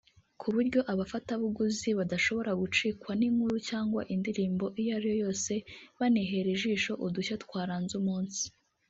ku buryo abafatabuguzi badashobora gucikwa n’inkuru cyangwa indirimbo iyo ari yo yose banihera ijisho udushya twaranze umunsi